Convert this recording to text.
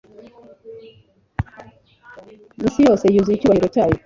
isi yose yuzure icyubahiro cyayo.